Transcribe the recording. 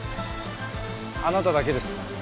あなただけです。